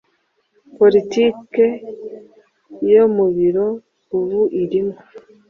politiki yo mu biro ubu irimo